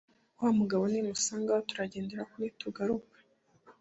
wa mugabo nimusangayo turagenderako ntitugaruka.